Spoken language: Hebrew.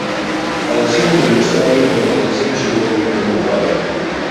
ערכים אוניברסליים הם ערכים שלא תלויים בקורבן